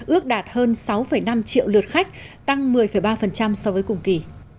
ước đạt hơn sáu năm triệu lượt khách tăng một mươi ba so với cùng kỳ